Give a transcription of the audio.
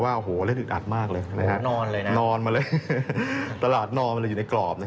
ว่าเล่นอึดอัดมากเลยนอนมาเลยตลาดนอนมาเลยอยู่ในกรอบ